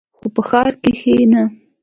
خو په ښار کښې نه.